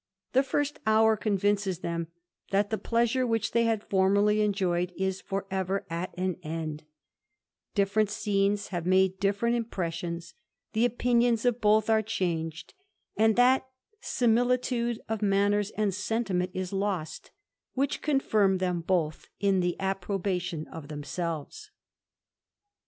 The first hour convinces them, that the e which they have formerly enjoyed is for ever at an lifferent scenes have made different impressions ; the IS of both are changed; and that similitude of rs and sentiment is lost, which confirmed them both ipprobation of themselves.